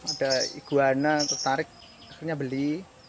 ada iguana tertarik akhirnya beli